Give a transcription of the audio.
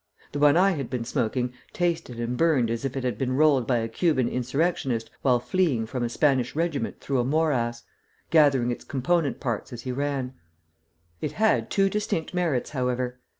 The one I had been smoking tasted and burned as if it had been rolled by a Cuban insurrectionist while fleeing from a Spanish regiment through a morass, gathering its component parts as he ran. It had two distinct merits, however.